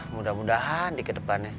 mudah mudahan di kedepannya